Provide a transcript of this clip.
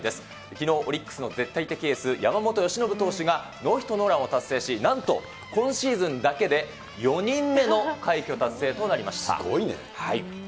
きのう、オリックスの絶対的エース、山本由伸投手が、ノーヒットノーランを達成し、なんと今シーズンだけで４人目の快挙達成となすごいね。